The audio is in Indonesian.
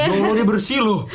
oh ini bersih